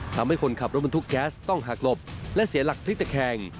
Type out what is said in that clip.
ทำให้คนขับรถบรรทุกแก๊สต้องหักหลบและเสียหลักพลิกตะแคง